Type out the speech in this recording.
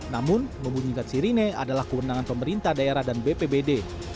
namun membunyikan sirine adalah kewenangan pemerintah daerah dan bpbd